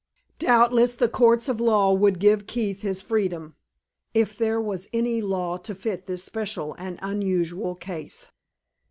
Doubtless the courts of law would give Keith his freedom, if there was any law to fit this special and unusual case.